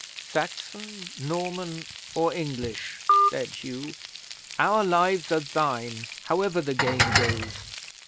'"Saxon, Norman or English," said Hugh, "our lives are thine, however the game goes.